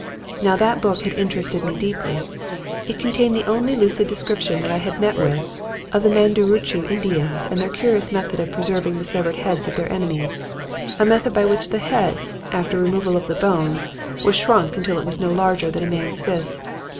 Now that book had interested me deeply. It contained the only lucid description that I had met with of the Mundurucú Indians and their curious method of preserving the severed heads of their enemies; a method by which the head after removal of the bones was shrunk until it was no larger than a man's fist.